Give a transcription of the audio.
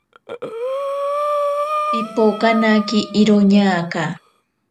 Pipokanake iroñaka.